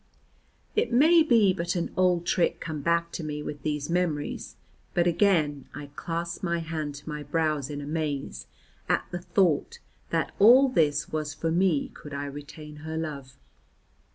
It may be but an old trick come back to me with these memories, but again I clasp my hands to my brows in amaze at the thought that all this was for me could I retain her love.